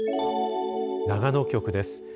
長野局です。